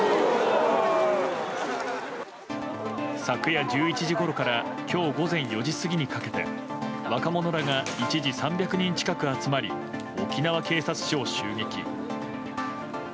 昨夜１１時ごろから今日午前４時過ぎにかけて若者らが一時３００人近く集まり沖縄警察署を襲撃。